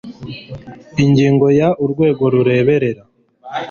ingingo ya urwego rureberera